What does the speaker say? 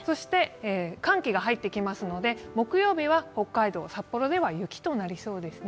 寒気が入ってきますので、木曜日は北海道札幌では雪となりそうですね。